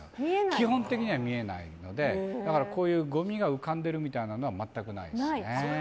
基本的には見えないのでだから、ごみが浮かんでるとかは全くないですね。